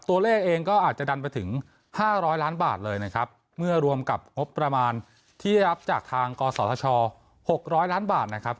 ตัวเลขเองก็อาจจะดันไปถึง๕๐๐ล้านบาทเลยนะครับเมื่อรวมกับงบประมาณที่รับจากทางกศธช๖๐๐ล้านบาทนะครับ